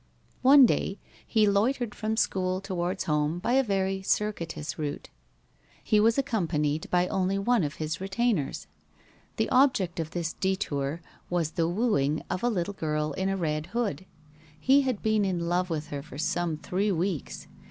One day he loitered from school towards home by a very circuitous route. He was accompanied by only one of his retainers. The object of this détour was the wooing of a little girl in a red hood. He had been in love with her for some three weeks.